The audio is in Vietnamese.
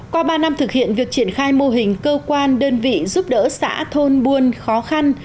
qua ba năm thực hiện việc triển khai mô hình cơ quan đơn vị giúp đỡ xã thôn buôn khó khăn